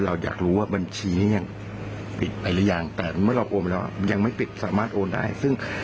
เราอยากรู้ว่าบัญชีนี้ยัง